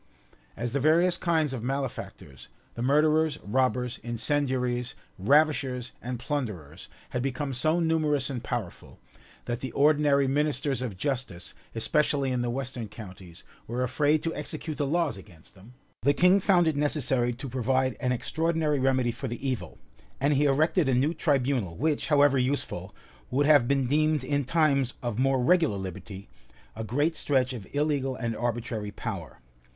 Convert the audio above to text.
As the various kinds of malefactors, the murderers, robbers, incendiaries, ravishers, and plunderers, had become so numerous and powerful, that the ordinary ministers of justice, especially in the western counties, were afraid to execute the laws against them, the king found it necessary to provide an extraordinary remedy for the evil; and he erected a new tribunal, which, however useful, would have been deemed in times of more regular liberty, a great stretch of illegal and arbitrary power.